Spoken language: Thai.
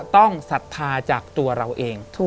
ศรัทธาจากตัวเราเอง